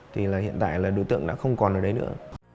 thì là hiện tại là đối tượng đã không còn ở đấy nữa